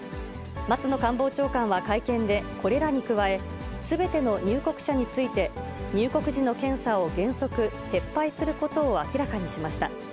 松野官房長官は会見で、これらに加え、すべての入国者について、入国時の検査を原則、撤廃することを明らかにしました。